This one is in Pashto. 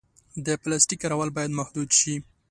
د پلاسټیک کارول باید محدود شي.